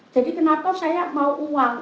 jadi kenapa saya mau uang